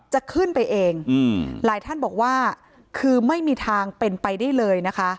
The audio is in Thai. จะขึ้นไปเองหลายท่านบอกว่าคือไม่มีทางเป็นไปได้เลยนะคะ